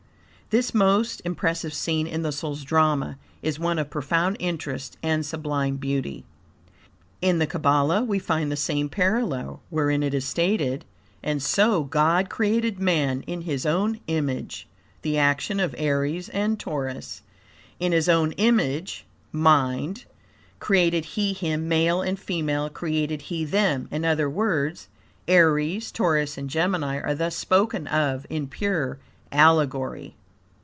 This most impressive scene in the soul's drama is one of profound interest and sublime beauty. In the Kabbalah we find the same parallel, wherein it is stated: "And so God created man in His own image (the action of Aries and Taurus); in His own image (mind) created He him, male and female created He them." In other words, Aries, Taurus and Gemini are thus spoken of in pure allegory.